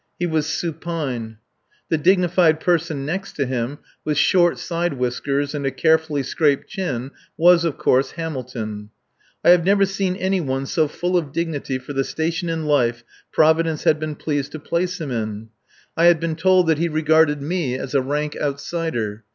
He was supine. The dignified person next him, with short side whiskers and a carefully scraped chin, was, of course, Hamilton. I have never seen any one so full of dignity for the station in life Providence had been pleased to place him in. I had been told that he regarded me as a rank outsider.